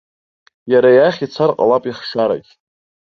Иара иахь ицар ҟалап ихшарагь.